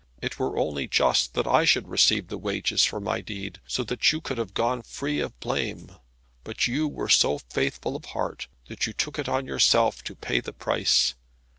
It were only just that I should receive the wages for my deed, so that you could have gone free of blame. But you were so faithful of heart that you took it on yourself to pay the price.